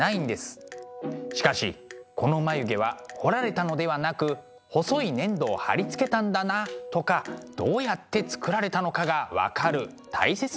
しかしこの眉毛は彫られたのではなく細い粘土を貼り付けたんだなとかどうやって作られたのかが分かる大切な資料でもあるんです。